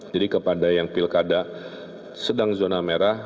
jadi kepada yang pilkada sedang zona merah